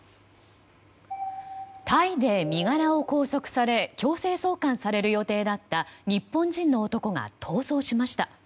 タイで身柄を拘束され強制送還される予定だった日本人の男が逃走しました。